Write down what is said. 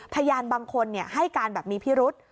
พยานบางคนให้การแบบมีพิรุษ